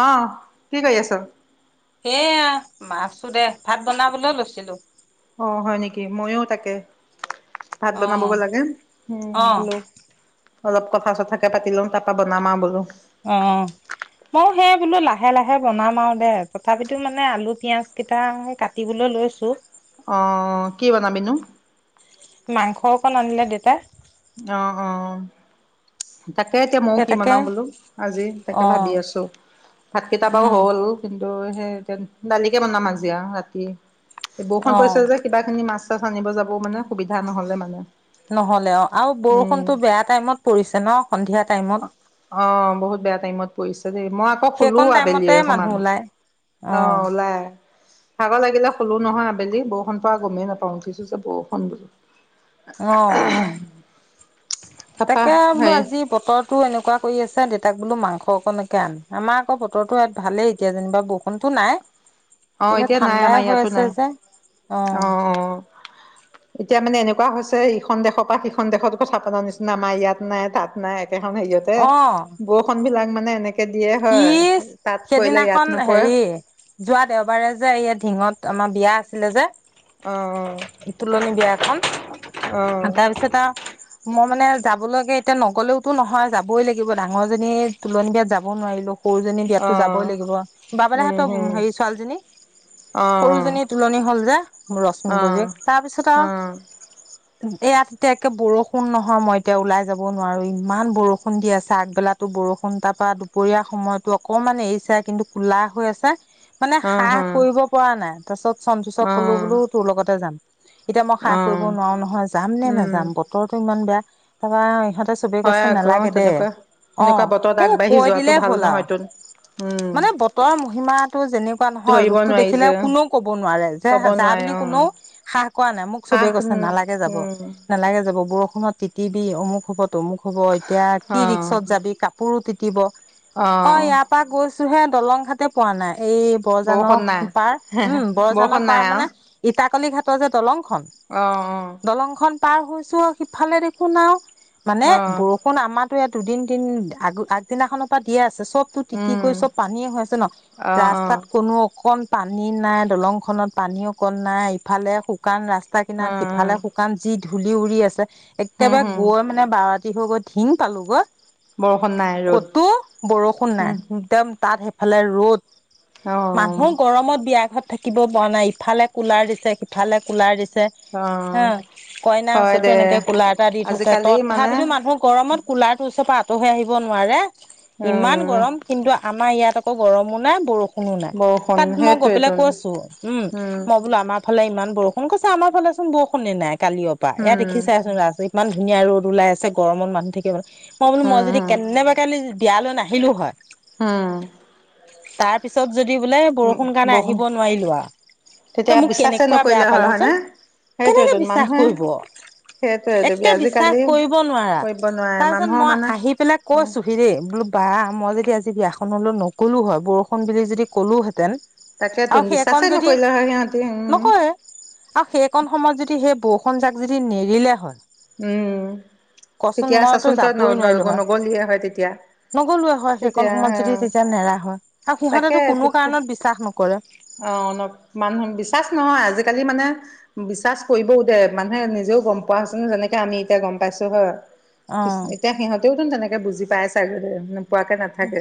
অহ, কি কৰি আছ? সেয়া মই আছো দে, ভাত বনাবলৈ লৈছিলো। অ', হয় নেকি! ময়ো তাকে। ভাত অ বনাবগে লাগে। উম। অ অলপ কথা চথাকে পাতি লম তাৰ পৰা বনামা আও বোলো। অঁ, মইও সেয় বোলো লাহে লাহে বনাম আও দে তথাপিতো মানে আলু পিয়াজ কেইটা কাটিবলৈ লৈছো অঁ। কি বনাবিনো? মাংস অকণ আনিলে দেউতাই। অঁ, অঁ। তাকে এতিয়া ময়ো সেই কি তাকে বনাওঁ বোলো আজি অ তাকে ভাবি আছো ভাতকেইটা বাও উম হ'ল। সেই, দালি কে বনাম আজি, অঁ ৰাতি। এই বৰষুণ অ পৰিছে যে কিবা খিনি মাছ পিঠা আনিব যাব মানে সুবিধা নহলে মানে নহ'লে অঁ। আৰু উম বৰষুণতো বেয়া টাইমত পৰিছে ন সন্ধিয়া টাইমত অঁ বহুত বেয়া টাইমত পৰিছে। দেই মই আকৌ শুলো সেইকণ আবেলি টাইমতে মানুহ অকমান ওলাই অ অঁ ওলাই। ভাগৰ লাগিলে শুলো নহয়, আবেলি বৰষুণ পৰা গমেই নাপাওঁ উঠিছো যে বৰষুণ বোলো। অঁ তাপা তাকে বোলো হেৰি আজি বতৰত তো এনেকুৱা কৰি আছে দেতাক বোলো মাংস অকন একে আন আমাৰ আকৌ বতৰটো ইয়াত ভালেই এতিয়া যেনিবা বৰষুণতো নাই। আঁহ কিন্তু এতিয়া নাই ঠাণ্ডাই আমাৰ হৈ ইয়াতো আছে নাই যে অ আঁহ। এতিয়া মানে এনেকুৱা হৈছে ইখন দেশৰ পৰা সিখন দেশত কথা পতাৰ নিচিনা আমাৰ ইয়াত নাই তাত নাই সেইখন হেৰিয়াতে অ বৰষুণ বিলাক মানে। এনেকে দিয়ে ই হয় তাত পৰিলে সেইদিনাখন ইয়াত নপৰে। হেৰি যোৱা দেওবাৰে যে ইয়াত ঢিঙত আমাৰ বিয়া আছিলে যে অ তুলনি বেয়া অ প্ৰথম তাৰপিছত মই মানে যাবলৈকে এতিয়া নগলেওতো নহয় যাবই লাগিব ডাঙৰ জী তোলনি বিয়াত যাব যাব নোৱাৰিলো সৰুজনী অ অ বিয়াতো যাবই লাগিব উম তাহাঁতৰ হম হেৰি ছোৱালীজনী অ সৰুজনীৰ তুলনি হ'ল যে ৰশ্মি অ অ বোৱাৰিয়েক তাৰপিছত অ আৰু এয়াত এতিয়া একে বৰষুণ নহয় মই এতিয়া ওলাই যাব নোৱাৰো ইমান বৰষুণ দি আছে আগবেলাতো বৰষুণ তাৰ পৰা দুপৰীয়াৰ সময়তো অকমান এৰিছে কিন্তু কোলা হৈ আছে মানে অ হ হাস্ কৰিব পৰা নাই তাৰপাছত সন্তচ ক অ ক'লো বোলো তোৰ লগতে যাম এতিয়া মই সাহ অ কৰিব নোৱাৰো নহয় যাম নে নাযাম উম বতৰটো ইমান বেয়া তাৰপৰা ইহঁত চবে হয় গছে আকৌ নালাগে দে তেনেকুৱা অঁ সেনেকুৱা বতৰত এই আগবাঢ়ি কৈ যোৱাটো দিলেই ভাল হ'ল আৰু নহয় তোন। উম মানে বতৰ মহিমাটো যেনেকুৱা নহয় ধৰিব ৰূপটো নোৱাৰি দেখিলে যে কোনেও ক'ব নোৱাৰে যে কব যা নোৱাৰে বুলি অ কোনেও হ্ৰাহ কোৱা নাই মোক চবেই সাহ কৈছে নালাগে উম যাব উম নালাগে যাব বৰষুণত তিতি । অমুক হ'ব। ত মোক হ'ব এতিয়া কি অ ৰিক্সত যাবি ক। পৰু পাকিব [unintelligible] অ ইয়াৰ পৰা গছ ছু হে দলং ঘাটতে পোৱা নাই [unintelligible] এই বৰজানৰ বৰষুণ নাই পাৰ উম বৰজানৰ বৰষুণ পাৰ নাই আও মানে ইটাক [unintelligible] কালি ঘাত যে দলং [unintelligible] অ দলংখন পাৰ হৈছোঁ আৰু সিফালে দেখোন আৰু মানে অ অ বৰষুণ আমাৰ দুদিন তি আগগ [unintelligible] সদিনাখনৰ পৰা দিয়ে আছে চবতো তিতি উম কৰি চব পানীয়ে হৈ আছে ন অ অ অ ৰাস্তাত কোনো অকণ পানী নাই দলং খনত পানী অ কণ নাই ইফালে শুকান ৰাস্তা সা অ কিনাৰ সিফালে শুকান য দি ধূলি উৰি আছে হুম একেবাৰে হুম গৈ মানে বাৰ হ গ'ঢি পালো গ বৰ ক'তো বৰষুণ নাই একদম তাত ইফালে ৰ'দ অ মানুহ গৰমত বিয়া ঘটা থাকিব পৰা নাই ইফালে কুলাৰ দিছে সিফালে কুলাৰ দিছে অ হা কইনা হয় হচতো দে এনেকে কুলাৰ এটা দি থৈছে আজিকালি মানে তথাপিতো মানুহৰ গৰমত কুলাৰ ওচৰ আ হৈ আহিব ন মাৰে ইমান উম গৰম কিন্তু আমাৰ ইয়াত আকৌ গৰমো নাই বৰষুণ কোনো নাই বৰষুণ তাত মই গৈ পেলাই সেইটোৱেইতোন কৈছো উম মই বোলো আমাৰ ফালে ইমান বৰষুণ কৈছে আমাৰ ফালে চোন বৰষুণে নাই কালিৰ পৰা উম, এয়া দেখি চাইচোন ৰাি [unintelligible] ইমান ধুনীয়া ৰদ ওলাই আছে গৰমত মু থাকে মানে মই বোলো মজ উম, যদি [unintelligible] উম, কেনে বা কোলি [unintelligible] বিয়ালৈ নাহিলোঁ হয় হু তাৰ পিছত য বোলে বৰষুণ কাৰণে বহু আহিব নোৱাৰিলো আও ত তেতিয়া মোক বিশ্বাসে কেনেকুৱা বেয়া নকৰিলে হয় পালেচোন হয়নে? কেনেকে সেইটোৱেতো বিশ্বাস মানুহে কৰিব সেইটোৱেতো একে বিশ্বাস আজিকালি কৰিব নোৱাৰা কৰিব নোৱাৰে তাৰ পিছত মানুহৰ মই মানে আহি পেলাই ক উম, চুহি দে বোলো বা মই যদি আজি বিয়াখনলৈ নগলো হয় বৰষুণ বুলি যদি ক'লোহেঁতেন আৰু তাকেতোন সেইকণ বিশ্বাসে যদি নকৰিলে হয় সিহঁতি উম। নকএ আৰু সেইকন সময়ত যদি সেই ব জাক যদি নেৰিলে হয় উম কচোন তেতিয়া আ মইতো চাচোন তই যাবই নোৱাৰিলো হয় নগলি নগলোৱে হয় সেইকণ সময়ত যদি তেতিয়া নেৰা হয় আৰু সিহঁতেটো কোনো কাৰণত বিশ্বাস নকৰে কৰে অক মানুহ বিশ্বাচ নহয় আজিকালি মানে বিশ্বাচ কৰিবও দে মানুহে নিজেও গম পোৱা হৈছে ন যেনেকে আমি এতিয়া গম পাইছো হয় অ এতিয়া সিহতেওঠোন তেনেকে তে বুজি পাই চাগৈৰে পোৱাকে নাথাকে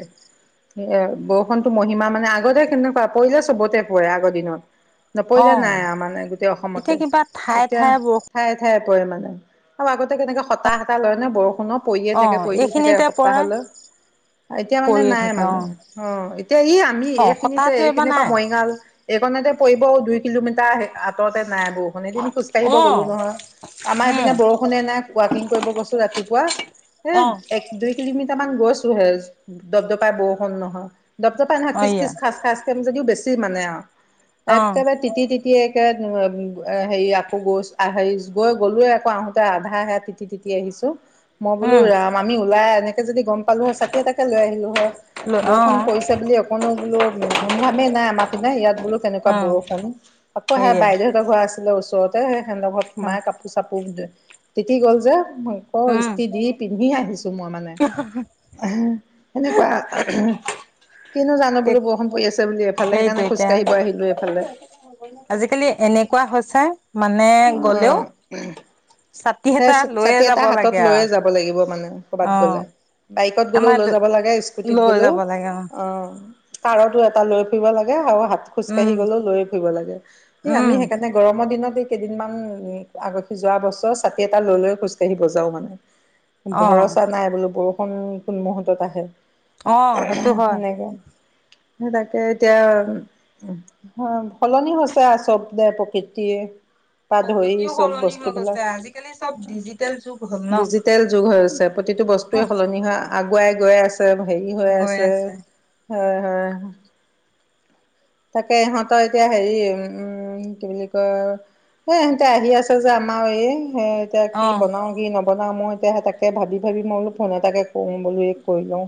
এ বৰষুনটো মহিমা মানে আগতে কেনেকুৱা পৰিলে চবতে পৰে আগৰ দিনত অ নপৰিলে নাই আৰু মানে গোটেই অসমতে এতিয়া কিবা ঠায়ে এতিয়া ঠায়ে বৰষুণ ঠায়ে ঠায়ে মানে আৰু আগতে কেনেকে হতা হতা লয় নে বৰষুণত পইয়ে অ থাকে পইয়ে থাকে এইখিনিতে পৰে এসপ্তাহলৈ এতিয়া মানে পৰিয়ে নাই থাকে মানে অ এতিয়া ই আমি অ এইখিনিতে সতাহটো এইবাৰ এইখিনি নাই বইগাল এইখনতে পৰিব দুই কিলোমিটাৰ আহে আঁতৰতে নাই বৰষুণ এদিন খোজ কঢ়িব অ গ'লো নহয় আমাৰ এইপিনে উম বৰষুণে নাই ৱাকিং কৰিব গৈছো ৰাতিপুৱা এ অ এক দুই কিলোমিটাৰ মান গৈছো হেজ দব্দপাই বসুণ নহয় ডব্দপাই নহয় খিচ খিছ খাচ খাচ কে যদিও বেছি মানে আৰু। একেবাৰে তিতি তিতি তিয় একে হেৰি আকৌ গৈ হে গৈ গ'লোয়ে আকৌ আহোতে আধা হেই তিতি তিতি আহিছো মই বোলো ৰাম আমি ওলাই এনে নেকে যদি গম পালো হয় ছাতি এটাকে লৈ আহিলো হয় বৰখুন পৰিছে বুলি অকনো বোলো ঘুম ঘামে নাই আমাৰ পিনে ইয়াত বোলো কেনেকুৱা বৰষুণ আকৌ সেয়া বাইদেউহঁতৰ ঘ এটা আছিলে ওচৰতে। সিহঁতৰ ঘৰত সুমাই কাপোৰ চাপু। তিতি গ'ল যে মই ক উম ই্স্তি দি প আহিছোঁ, মই মানে সেনেকুৱা কিনো জানো বোলো এক বৰষুন পৰি আছে। বুলি এইফালে সেইকাৰণে সেইটো এতিয়া খোজকাঢ়িব আহিলোঁ এইফালে আজিকালি এনেকুৱা হৈছে। মানে গ'লেও অ', ছাতি সেই এটা লৈয়ে ছাতি এটা যাব হাতত লাগে আৰু লৈয়ে যাব লাগিব মানে। কৰাত অ গলে, বাইকত গলেও আমাৰ লৈ যাব লাগে স্কুটি ত লৈ গলেও যাব লাগে অ' পাৰটো এটা লৈ ফুৰিব লাগে আৰু হাত উম খোজকাঢ়ি গ'লেও লৈয়ে ফুৰিব লাগে। হে আমি উম সেইকাৰণে গৰম দিনত। কেইদিনমান আগহি যোৱা বছৰ। ছাতি এটা লৈ-লৈ খোজ কাঢ়ি বজাও মানে। অ ভৰচা নাই বোলো বৰষু ক কোন মুহৰ্তত আহে। অ সেইটো হয়। স তাকে এতিয়া সলনি হৈছে চব দে প্ৰকৃতিয়ে। পা ধৰি প্ৰকৃতিও চব সলনি হৈ গৈছে বস্তুবিলাক। আজিকালি চব ডিজিটেল যুগ হ'ল ন ডিজিটেল যুগ হৈছে প্ৰতিটো বস্তুৱয়ে সলনি হয়। আগুৱাই গৈ আছে। হেৰি হৈ আছে এ অহ, তাকে ইহঁতৰ এতিয়া হেৰি উম কি বুলি কয় এ ইহতে আহি আছে যে আমাৰ এই হে এতিয়া অ কি বনাও কি নব বনাও মই এতিয়া সে তাকে ভাবি ভাবি মই অলপ ফোন এটাকে কো বোলহে কৰি লওঁ।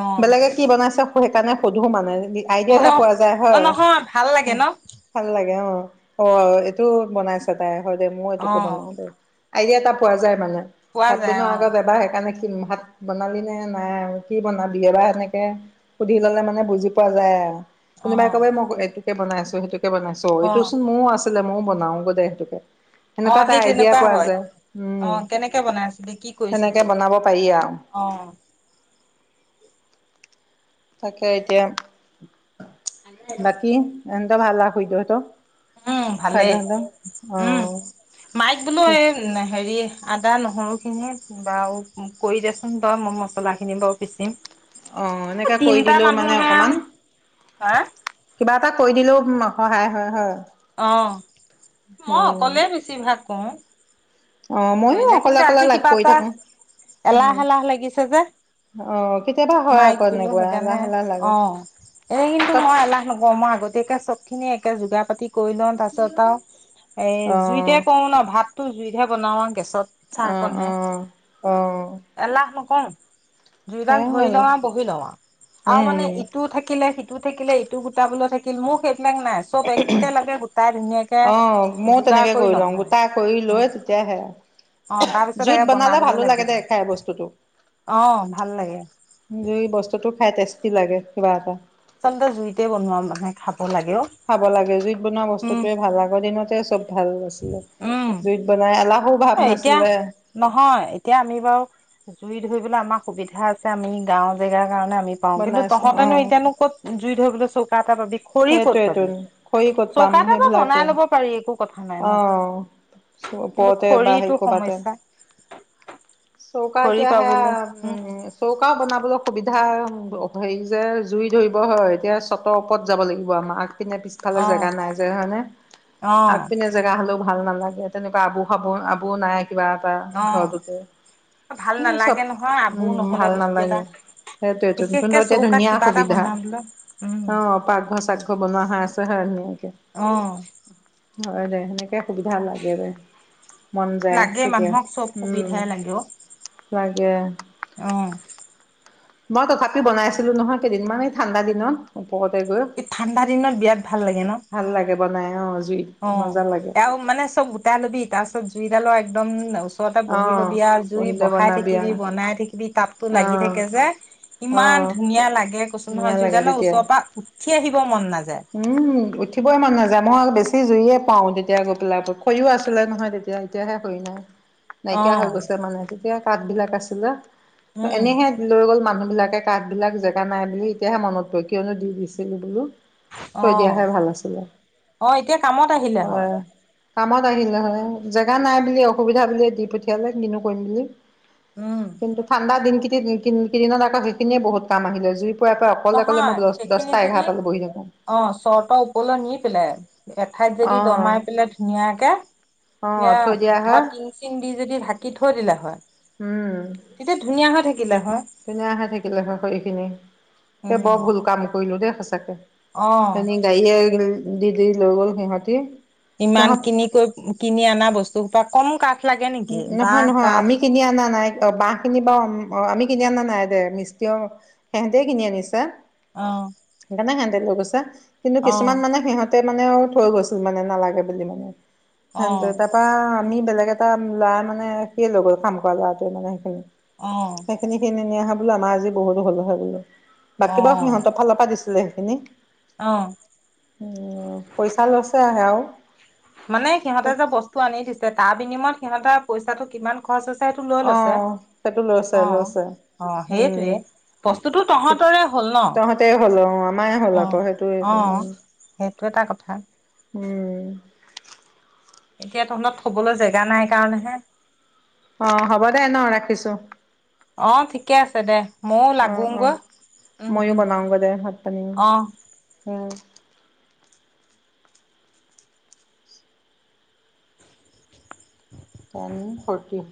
অ বেলেগে কি বনাইছ? সেইকাৰণে সুধো মানে। আইডিয়া পা পোৱা যায় অ হয়। নহয় ভাল লাগে ন ভাল লাগে অ। অ এইটো বনাইছ তাই, হয় দে মই অ এইটোোকে বনাওঁ দে। আইডিয়া এটা পোৱা যায় মানে। পোৱা ভাত ব যায় নোৱাৰ অ আগত এবাৰ সেইকাৰণে ভাত বনালি নে নাই আৰু কি বনা বিহেবাহ সেনেকৈ সুধি ল'লে মানে বুজি পোৱা যায় আৰু। অ তুনি বাই কব'ই মটো- কে বনাইছো, সেইটো বনাইছো, অ এইটো চোন মুও আছে আছিলে, মইউ বনাওঁ গৈ দে সেইতোকে। অঁ সেই তেনেকুৱা হয়, উম অঁ কেনেকে বনাইছিলি? কি সেনেকে কৰিছিলি? বনাব পাৰি আৰু অঁ। তাকে এতিয়া বাকী? এ ত [unintelligible] ভাল [unintelligible] লাখই দত [unintelligible] উম ভালেই, উম' মাইক বোলো অ এই হেৰি আদা, নহৰু খিনি বাৰু কৰি দেচোন বাৰু, মই মছলা খিনি বাৰু পিচিম। অঁ এনেকাে কৰি তিনটা দিলেও মানে মানুহে আৰু অকমান, হা কিবা তা কৰি দিলেও সহায় হয়, হয়। অ', মই উম অকলে বেছি ভাগ ক'ওঁ। অ ময়ো কৰিলে অকলে কিন্তু অকলে আজি লাগ কিবা কৰি এটা, থাকো উম এলাহ এলাহ লাগিছে যে, অ কেতিয়াবা হয় মাইক আকৌ বোলো এনেকুৱা এলাহ সেইকাৰণে, এলাহ লাগে অঁ, এই কিন্তু তক মই এলাহ নকওঁ মই আগতীয়াকে চব খিনি [unintelligible] ে যোগাৰ পাতি কৰি লওঁ, তাৰপিছত আৰু এই অ জুইতে ক'ও ন, ভাত তটো যুইতহে বনাওঁ ত' চাহ অ কনহে, অ অ এলাহ নকওঁ। দুুইডাল ধৰি সেয়াই লওঁ আৰু, বহি লওঁ আৰু, আও উম মানে ইটো থাকিলে সি টো থাকিলে ইটো গোটা বোলৈ থাকিল, মোক সেইটো এইবিলাক নাই, চব একে লগে গোটাই ধুনীয়াকে অঁ, ময়ও তেনেকে কৰি লওঁ, গোটা কৰি লৈয়ে তেতিয়াহে অ [inaudible] অঁ' তাৰ পিছত এে বনাবলৈ লাগিব, খাই বস্তুটো অঁ ভাল লাগে। জুই বস্তুতটো খাই তেজ বেছি লাগে, কিবা এটা। আচলতে জুইতে বনোৱা মানে খাব লাগে'ও। বস্তুটোৱ ভাল, আগৰিনতে চব ভাল নাছিলে, উম জুইত বনাই অলাক এতিয়া, নহয় এতিয়া আমি বাৰু জুইত সেইবিলাক আমাৰ সুবিধা আছে আমি গাঁও জেগা। কাৰণে আমি পা কিন্তু বনাইছো অ তহঁতেনো এতিয়ানো ক'ত জুই ধৰিবলৈ চৌ- পাবি খৰি ক'ত সেইটোৱেতো পাবি খৰি ক'ত পাম চৌকা এটা বা বনাই সেইবিলাকে লব পাৰি একো, কথা নাই ন অ কিন্তু চৌপত বা খৰিটো হেৰি কৰবাতে সমস্যা চৌকা খৰি এতিয়া সেয়া পাবলৈ উম চৌকাও বনাবলৈ খুব সুবিধা হেৰি যে জুই ধৰিব হয়, এতিয়া চতৰ ওপৰত যাব লাগিব আমাক পিনে অ পিছফালৰ জেগা নাই যে হয়নে? অ আগপিনে জেগা হ'লেও ভাল নালাগে, তেনেকুৱা আবু খাব আবু নাই। কিবা এটা অ ঘৰটোতে ভাল চব নালাগে নহয় আবু উম নহ'লে ভাল বস্তু এটা নালাগে। সেইটো নতুন বিশেষকে এয়া চৌকাত ধুনীয়া কিবা এটা সুবিধা বনাবলৈ উম অ পাকঘৰ চাকঘৰ বনোৱা। [unintelligible] আহ হয় দে সেনেকে সুবিধা লাগে যে, লাগে মানুহক চব সুবিধাই লাগে অ লাগে আহ মই তথাপি বনাই আছিলো নহয় কেইদিনমান এই ঠাণ্ডা দিনত। ওপৰতে গৈ এই ঠাণ্ডা দিনত বিৰাট ভাল লাগে ন? ভাল লাগে বনাই অ' জুইত অ মজা লাগে। আও মানে চব গোটা ল'বি তাৰপিছত জুইডালৰ একদম ওচৰতে বহি অ' ল'বি আৰু জুই বহিলৈ বহাই বনাবি থাকিবি আৰু বনাই থাকিবি তাপতো লাগি অ' থাকে যে ইমান অ' ধুনীয়া লাগে কচুমাহৰ ধুনীয়া লাগে জুইডালৰ তেতিয়া। ওচৰৰ পৰা আহিব মন নাযায় উম উঠিব ইমান নাযায়, মই আও বেছি। সি জুইয়ে পাও তেতিয়া গৈ পেলাই খৈও আছিলে নহয় তেতিয়া এতিয়াহে হয় নাই। অ নাইকিয়া হৈ গৈছে মানে তেতিয়া পাতবিলাক আছিলে। উম এনেহে লৈ গ'ল মানুহ। বিলাকে কাঠ বিলাক জেগ নাই বুলি, এতিয়াহে মনত পৰে কিয়নো দি দিছ। ছিলো বোলো। অ আছিলে অ এতিয়া কামত আহিলে হয়। কামত আহিল নহয় জেগা নাই বুলি অসুবিধা বুলি দি পঠিয়ালে কিনো কৰিম বুলি। উম কিন্তু ঠাণ্ডা দিন কি কিন কিদিনত সেইখিনি বহুত কাম আহিলে জুইত। ফুৱাই ফুৱাই অকলে নহয় মই দছ দছ সেইখিনি যদি, অ। চতৰ ওপৰলৈ নি পেলাই এঠাইত যদি অঁ দমাই পেলাই ধুনীয়াকে, অঁ থৈ দিয়া ধৰ হয় টিং চিং দি যদি ঢাকি থৈ দিলে হয়। তেতিয়া ধুনীয়া হৈ থাকি কিলে হয়। তেনেকোৱা হৈ থাকিলে স খৰি খিনি। এ উম বৰ ভুল কাম কৰিলো দে। সঁচাকে। অ কালি ডাৱৰীয়া হৈ গ'ল, দি দি লৈ গ'ল সিহঁতি। ইমান সিহঁত কিনি কৈ, কিনি অনা বস্তু পৰা কম কাঠ লাগে উ, নেকি নহয় বাঁহ নহয়। কাঠ আমি কিনি অনা নাইত। বাহ খিনি বা অঁ আমি কিনি অনা নাই দে, মিস্ত্ৰী সিহঁতেই কিনি আনিছে। আহ। তেলোকচা কিন্তু কিছুমান মানে সিহঁতে মানে আৰু থৈ গৈছিল মানে নালাগে বুলি মানে। অ হ‌ওক দে। তাপা আমি বেলেগ এটা ল'ৰা মানে, সিয়ে লৈ গ'ল, কাম কৰা ল'ৰাটোৱে মানে সেইখিনি। অ সেইখিনি খিনি নি অহা বোৰ আমাৰ আজি বহুতো হ'ল হয় বোলো। বাকী বাৰু সিহঁতৰ ফালৰ পৰা দিছে। লে সেইখিনি। আহ। পইচা লৈছে আৰু সেয়াও। মানে সিহঁতে যে বস্তু আনি দিছে, তাৰ বিনিময় সিহঁতৰ পইচাটো কিমান খৰচ হৈছে সেইটো লৈ লৈছে আহ। সেইটো লৈছে অ লৈছে। অ উম, সেইটোৱে বস্তুটো তহঁতৰে হ'ল ন তহঁতৰে হ'ল আৰু, আমাৰেই হ'ল আৰু। ত সেইটোৱেই, উম। টো এটা কথা। উম। এতিয়া তহলত থবলৈ জেগা নাই কাৰণেহে, অ হ'ব দে ন! ৰাখিছোঁ। অ ঠিকে আছে দে। ময়ো অ অ লাগোগৈ। উম ময়ো উম, বনাওঁগৈ দে ভাত পানী। অ। Ten forty.